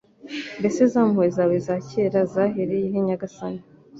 Mbese za mpuhwe zawe za kera zahereye he Nyagasani